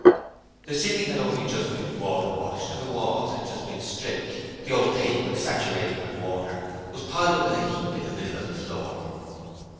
The ceiling had only just been water washed and the walls had just been stripped. The old paper, saturated with water, was piled up in a heap in the middle of the floor.